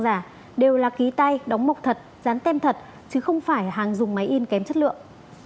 giả đều là ký tay đóng mọc thật dán tem thật chứ không phải hàng dùng máy in kém chất lượng